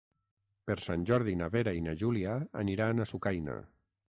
Per Sant Jordi na Vera i na Júlia aniran a Sucaina.